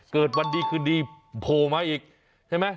เกิดวันดีคืนดีโผล่มาอีกใช่ไหม